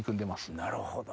なるほど。